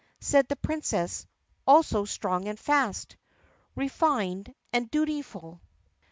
Said the Princess, "Also strong and fast, Refined and dutiful."